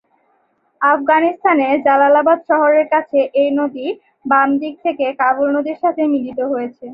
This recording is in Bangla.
আফগানিস্তানের জালালাবাদ শহরের কাছে এই নদী বাম দিক হতে কাবুল নদীর সাথে মিলিত হয়েছে।